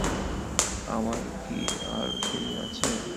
আমার কি আর সেদিন আছে।